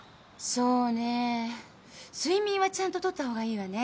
そうねぇ睡眠はちゃんと取った方がいいわね。